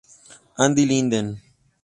Andy Linden